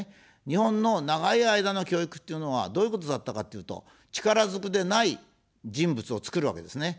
日本の長い間の教育というのは、どういうことだったかっていうと、力ずくでない人物を作るわけですね。